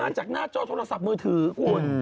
จากหน้าจอโทรศัพท์มือถือคุณ